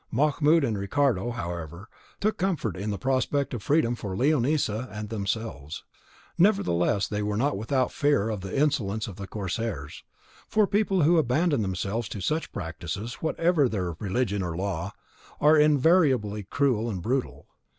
Mahmoud and Ricardo, however, took comfort in the prospect of freedom for Leonisa and themselves; nevertheless, they were not without fear of the insolence of the corsairs, for people who abandon themselves to such practices, whatever be their religion or law, are invariably cruel and brutal.